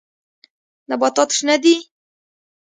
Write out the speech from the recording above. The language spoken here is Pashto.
نباتات شنه دي.